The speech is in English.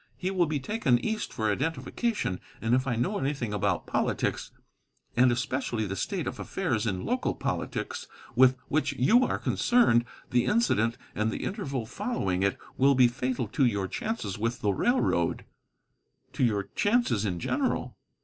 He will be taken East for identification. And if I know anything about politics, and especially the state of affairs in local politics with which you are concerned, the incident and the interval following it will be fatal to your chances with the railroad, to your chances in general.